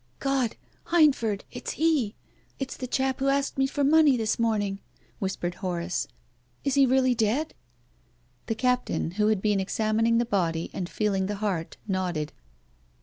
" God! Hindford, it's he! It's the chap who asked mc for money this morning !" whispered Horace. " Is he really dead ?" The Captain, who had been examining the body and feeling the heart, nodded.